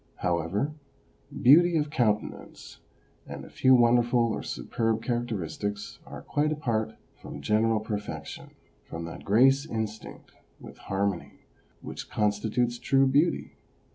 However, beauty of countenance and a few wonderful or superb characteristics are quite apart from general per fection, from that grace instinct with harmony which con stitutes true beauty.